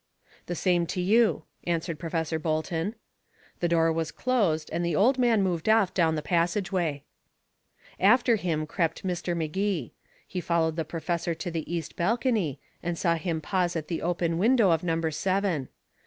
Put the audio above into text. "The same to you," answered Professor Bolton. The door was closed, and the old man moved off down the passageway. After him crept Mr. Magee. He followed the professor to the east balcony, and saw him pause at the open window of number seven.